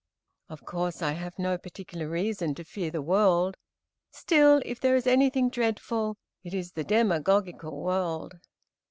Of course, I have no particular reason to fear the world; still, if there is anything dreadful, it is the demagogical world.